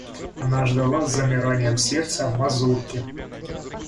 Она ждала с замиранием сердца мазурки.